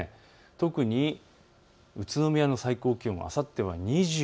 特に宇都宮の最高気温、あさっては２５度。